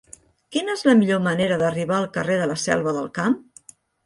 Quina és la millor manera d'arribar al carrer de la Selva del Camp?